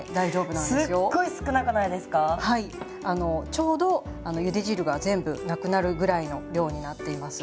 ちょうどゆで汁が全部なくなるぐらいの量になっています。